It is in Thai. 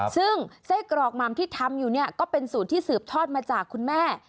ซึ่งไส้กรอกหม่ำที่ทำอยู่เนี่ยก็เป็นสูตรที่สืบทอดมาจากคุณแม่